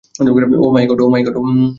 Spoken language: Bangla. O my god!